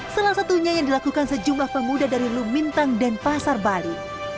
salah satunya yang dilakukan sejumlah pemuda dari lumintang dan pasar bali